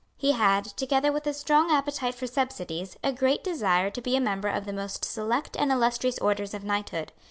He had, together with a strong appetite for subsidies, a great desire to be a member of the most select and illustrious orders of knighthood.